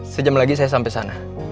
sejam lagi saya sampai sana